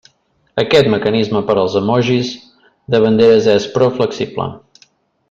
Aquest mecanisme per als emojis de banderes és prou flexible.